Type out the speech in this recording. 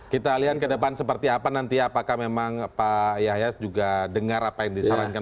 kita lihat ke depan seperti apa nanti apakah memang pak yahya juga dengar apa yang disarankan